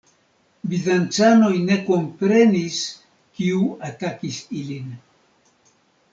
Bizancanoj ne komprenis, kiu atakis ilin.